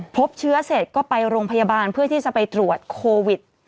พบเชื้อเสร็จก็ไปโรงพยาบาลเพื่อที่จะไปตรวจโควิด